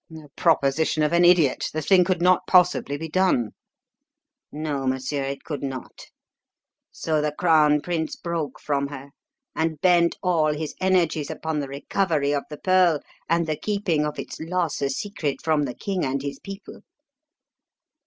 "The proposition of an idiot. The thing could not possibly be done." "No, monsieur, it could not. So the crown prince broke from her and bent all his energies upon the recovery of the pearl and the keeping of its loss a secret from the king and his people.